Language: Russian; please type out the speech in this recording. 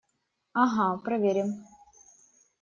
Ага, проверим!